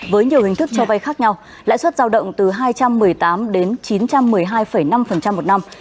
với nhiều hình thức cho vay khác nhau lãi suất giao động từ hai trăm một mươi tám đến chín trăm một mươi hai năm một năm